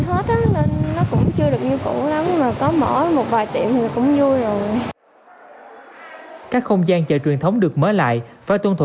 phải tuân thủ các phòng chống dịch ở mức độ cao nhất